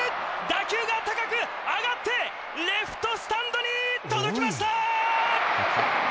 打球が高く上がってレフトスタンドに届きました！